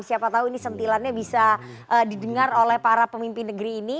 siapa tahu ini sentilannya bisa didengar oleh para pemimpin negeri ini